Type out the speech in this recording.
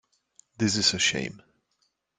This is a shame.